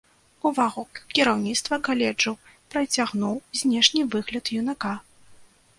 Увагу кіраўніцтва каледжу прыцягнуў знешні выгляд юнака.